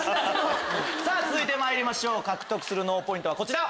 続いてまいりましょう獲得する脳ポイントはこちら。